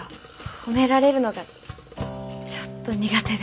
褒められるのがちょっと苦手で。